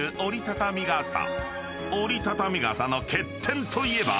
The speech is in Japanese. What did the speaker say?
［折りたたみ傘の欠点といえば］